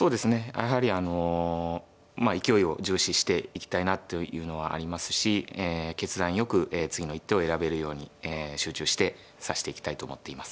やはり勢いを重視していきたいなというのはありますしええ決断よく次の一手を選べるように集中して指していきたいと思っています。